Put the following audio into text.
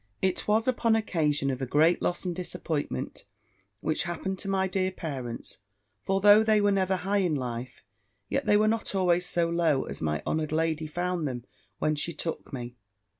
It was upon occasion of a great loss and disappointment which happened to my dear parents; for though they were never high in life, yet they were not always so low as my honoured lady found them, when she took me.